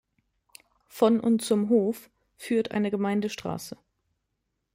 Von und zum Hof führt eine Gemeindestraße.